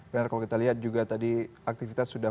benar kalau kita lihat juga tadi aktivitas sudah